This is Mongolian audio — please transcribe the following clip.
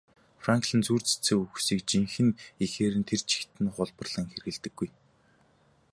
Франклин зүйр цэцэн үгсийг жинхэнэ эхээр нь тэр чигт нь хуулбарлан хэрэглэдэггүй.